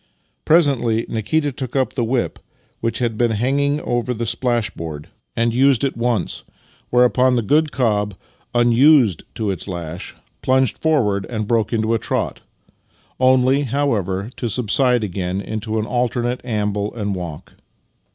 Presently Nikita took up the whip, which had been hanging over the splash board, and 34 Master and Man used it once; whereupon the good cob, unused to its lash, plunged forward and broke into a trot — only, however, to subside again into an alternative amble and walk.